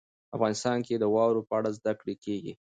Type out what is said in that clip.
افغانستان کې د واوره په اړه زده کړه کېږي.